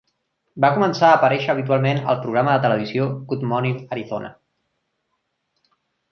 Va començar a aparèixer habitualment al programa de televisió "Good Morning Arizona".